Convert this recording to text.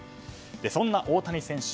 そんな大谷選手